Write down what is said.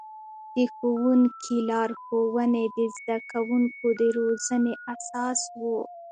د ښوونکي لارښوونې د زده کوونکو د روزنې اساس و.